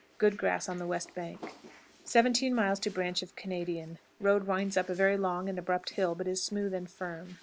Good grass on the west bank. 17. Branch of Canadian. Road winds up a very long and abrupt hill, but is smooth and firm.